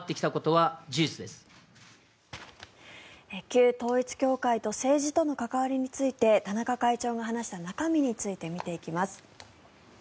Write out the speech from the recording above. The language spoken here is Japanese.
旧統一教会と政治との関わりについて田中会長が話した中身について見ていきます。